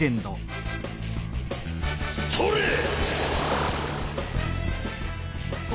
ストレッ！